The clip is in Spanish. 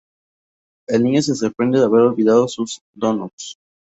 El niño se sorprende de haber olvidado sus donuts.